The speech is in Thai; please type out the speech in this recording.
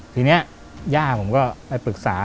ทีนี้ย่าผมก็ไปปรึกษา